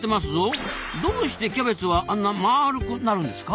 どうしてキャベツはあんなまるくなるんですか？